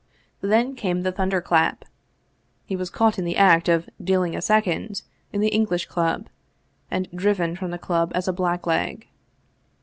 Then came the thunderclap. He was caught in the act of " dealing a second " in the English Club, and driven from the club as a blackleg.